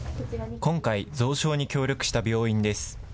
今回、増床に協力した病院です。